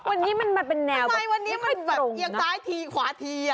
วันนี้มันมาเป็นแนวทำไมวันนี้มันแบบเอียงซ้ายทีขวาทีอ่ะ